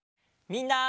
みんな！